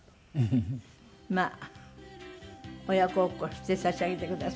まあ親孝行してさしあげてください。